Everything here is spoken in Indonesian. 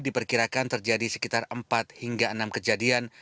diperkirakan terjadi sekitar empat hingga enam kejadian